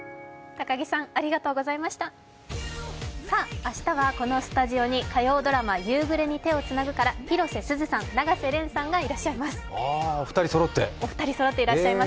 明日はこのスタジオに火曜ドラマ「夕暮れに、手をつなぐ」から広瀬すずさん、永瀬廉さんがいらっしゃいます。